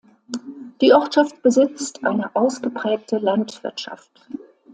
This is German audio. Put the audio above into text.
Die Ortschaft besitzt eine ausgeprägte Landwirtschaft.